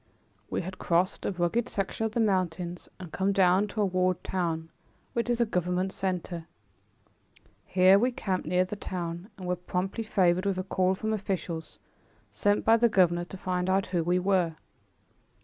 We had crossed a rugged section of the mountains and come down to a walled town, which is a government center. Here we camped near the town and were promptly favored with a call from officials, sent by the governor to find out who we were.